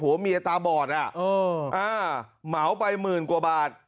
หัวมีชใชตาบอร์นเหมาไปหมื่นกว่าบาท